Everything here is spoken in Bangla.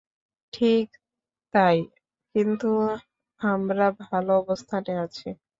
ঠিক তাই, কিন্তু আমরা ভালো অবস্থানে আছি।